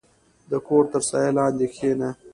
• د کور تر سایې لاندې کښېنه.